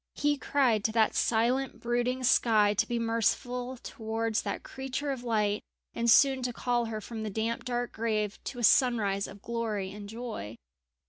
He cried to that silent brooding sky to be merciful towards that creature of light and soon to call her from the damp dark grave to a sunrise of glory and joy.